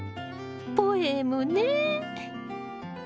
ポエムね。